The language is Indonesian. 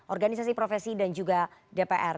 organisasi profesi dan juga dpr